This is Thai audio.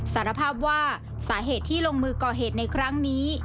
สารภาพว่าสาเหตุที่ลงมือก่อเหตุในครั้งนี้